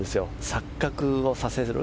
錯覚をさせる。